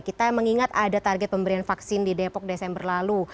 kita mengingat ada target pemberian vaksin di depok desember lalu